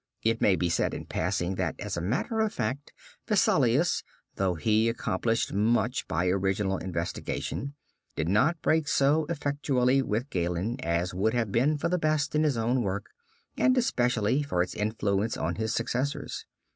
It may be said, in passing, that, as a matter of fact, Vesalius, though he accomplished much by original investigation, did not break so effectually with Galen as would have been for the best in his own work, and, especially, for its influence on his successors.